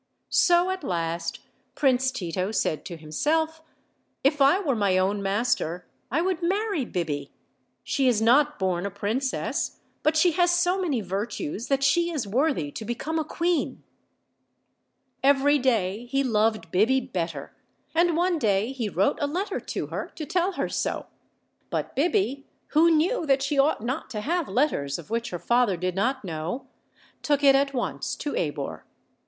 So at last Prince Tito said to himself, "If I were my own master I would marry Biby; she is not born a princess, but she has so many virtues that she is worthy to become a queen." 104 OLD, OLD FAIRY TALES. Every day he loved Biby better, and one day he wrote a letter to her to tell her so; but Biby, who knew that she ought not to have letters of which her father did not know, took it at once to Abor.